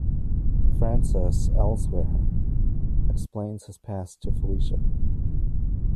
Francis, elsewhere, explains his past to Felicia.